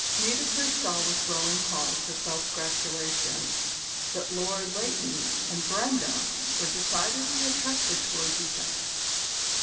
Nitocris saw with growing cause for self gratulation that Lord Leighton and Brenda were decidedly attracted towards each other.